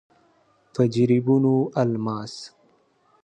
په جريبونو الماس.